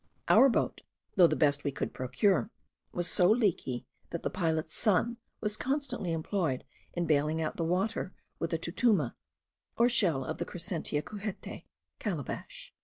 Our boat, though the best we could procure, was so leaky, that the pilot's son was constantly employed in baling out the water with a tutuma, or shell of the Crescentia cujete (calabash).